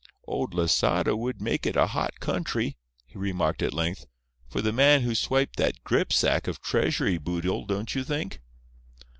"Old Losada would make it a hot country," he remarked at length, "for the man who swiped that gripsack of treasury boodle, don't you think?"